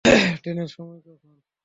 ট্রেনের সময় কখন?